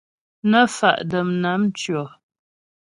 Nə́ fa' dəm nám ntʉɔ.